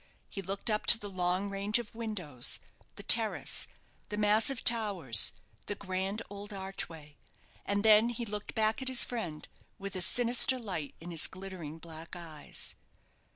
He looked up to the long range of windows, the terrace, the massive towers, the grand old archway, and then he looked back at his friend, with a sinister light in his glittering black eyes.